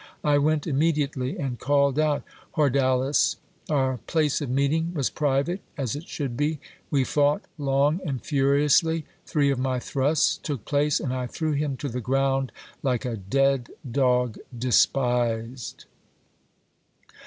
I went immediately and called out Hordales ; our place of meeting was private as it should be ; we fought long and furiously ; three of my thrusts took place, and I threw him to the ground, like a dead dog despised.